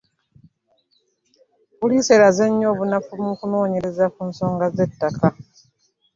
Poliisi eraze nnyo obunafu mu kunoonyereza ku nsonga z'ettaka.